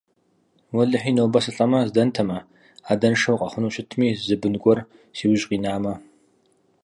Уэлэхьи, нобэ сылӀэми здэнтэмэ, адэншэу къэхъуну щытми, зы бын гуэр си ужь къинамэ.